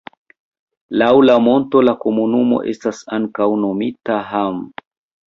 Laŭ la monto la komunumo estas ankaŭ nomita Hamm.